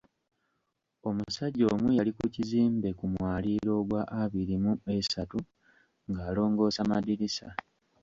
Omusajja omu yali ku kizimbe ku mwaliiro ogwa abiri mu esatu ng’alongoosa madirisa.